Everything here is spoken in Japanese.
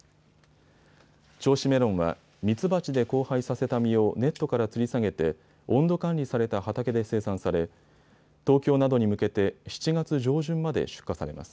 銚子メロンはミツバチで交配させた実をネットからつり下げて温度管理された畑で生産され東京などに向けて７月上旬まで出荷されます。